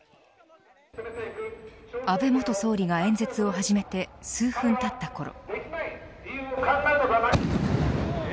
安倍元総理が演説を始めて数分たったころ。